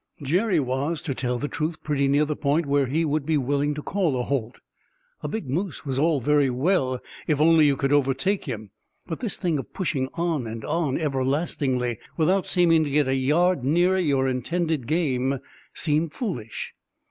Jerry was, to tell the truth, pretty near the point where he would be willing to call a halt. A big moose was all very well, if only you could overtake him; but this thing of pushing on and on everlastingly, without seeming to get a yard nearer your intended game, seemed foolish.